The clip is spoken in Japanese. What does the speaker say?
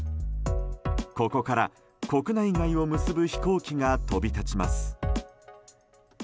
ここから国内外を結ぶ飛行機が飛び立ちます。